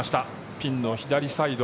ピンの左サイド